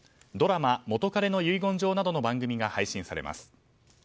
ドラマ「元彼の遺言状」などの番組が配信されます。